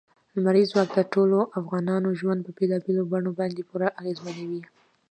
لمریز ځواک د ټولو افغانانو ژوند په بېلابېلو بڼو باندې پوره اغېزمنوي.